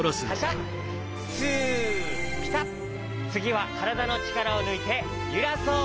つぎはからだのちからをぬいてゆらそう。